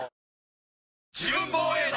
自分防衛団！